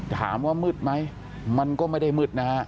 ถามว่ามืดไหมมันก็ไม่ได้มืดนะฮะ